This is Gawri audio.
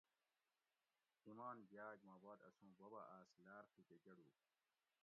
ایمان گھیاگ ما باد اسوں بوبہ آس لاۤر تھی کہ گڑو